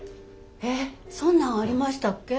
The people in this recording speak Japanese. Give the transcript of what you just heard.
えっそんなんありましたっけ？